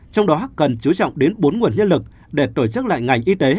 trong đó cần chú trọng đến bốn nguồn nhân lực để tổ chức lại ngành y tế